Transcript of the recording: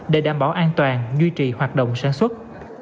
để đảm bảo an toàn duy trì hoạt động sản xuất